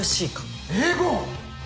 英語！